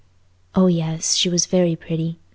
Oh yes! She was very pretty.